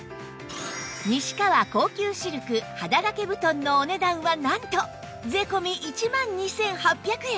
西川高級シルク肌掛け布団のお値段はなんと税込１万２８００円